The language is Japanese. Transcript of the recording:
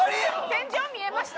天井見えました？